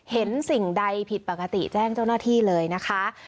สิ่งใดผิดปกติแจ้งเจ้าหน้าที่เลยนะคะ